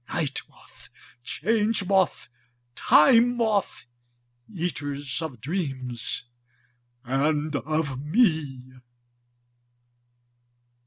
Night Moth, Change Moth, Time Moth, eaters of dreams and of me!